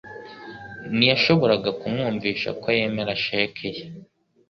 Ntiyashoboraga kumwumvisha ko yemera sheki ye